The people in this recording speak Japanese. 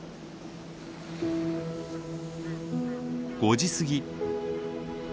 ５時過ぎ。